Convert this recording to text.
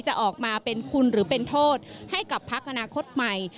จะออกมาเป็นคุณหรือเป็นโทษให้กับพักอนาคตใหม่